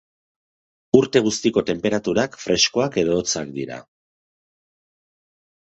Urte guztiko tenperaturak freskoak edo hotzak dira.